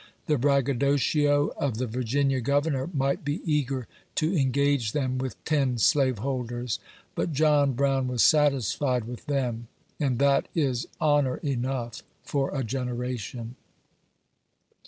Tbe braggadocio of the Virginia Governor might be eager to engage them with ten slaveholders, but John Brown was satisfied with them, and that is honor enough for a genera tion.